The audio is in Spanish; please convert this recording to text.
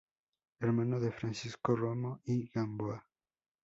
Hermano de Francisco Romo y Gamboa.